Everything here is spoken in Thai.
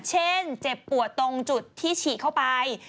เช่นเจ็บปวดตรงจุดที่ฉีกเข้าไป